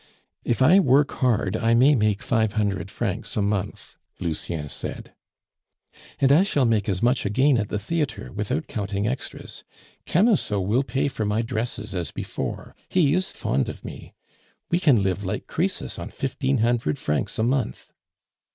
"If I work hard I may make five hundred francs a month," Lucien said. "And I shall make as much again at the theatre, without counting extras. Camusot will pay for my dresses as before. He is fond of me! We can live like Croesus on fifteen hundred francs a month."